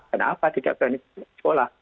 kenapa tidak berani sekolah